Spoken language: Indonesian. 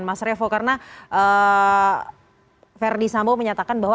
mas revo karena verdi sambo menyatakan bahwa